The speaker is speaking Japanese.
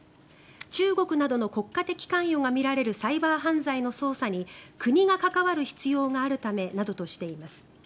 中国などの国家的関与がみられるサイバー犯罪の捜査に国が関わる必要があるためなどとしています。